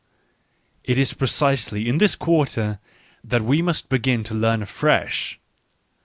It is precisely in this quarter that we must begfti to learn afresh.